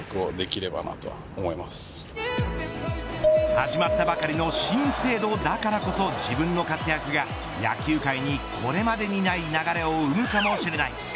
始まったばかりの新制度だからこそ自分の活躍が野球界にこれまでにない流れを生むかもしれない。